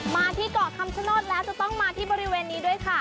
มาที่เกาะคำชโนธแล้วจะต้องมาที่บริเวณนี้ด้วยค่ะ